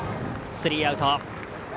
スリーアウト。